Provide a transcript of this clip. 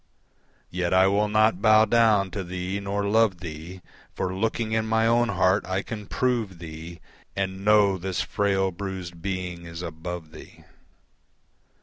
Yet I will not bow down to thee nor love thee, For looking in my own heart I can prove thee, And know this frail, bruised being is above thee.